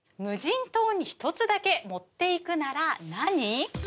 無人島に１つだけ持っていくなら何？